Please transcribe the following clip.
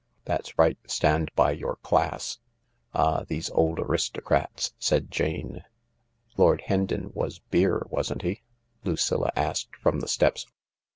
" That's right— stand by your class. Ah, these old aristo crats I " said Jane. " Lord Hendon was beer, wasn't he ?" Lucilla asked from the steps.